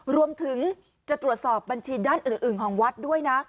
รวมถึงจะตรวจสอบบัญชีด้านอื่นของวัดด้วยนะ